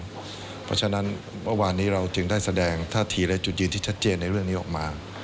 เพราะฉะนั้นเมื่อวานนี้เราจึงได้แสดงท่าทีและจุดยืนที่ชัดเจนในเรื่องนี้ออกมา